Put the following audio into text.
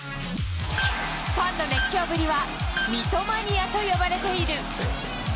ファンの熱狂ぶりは、ミトマニアと呼ばれている。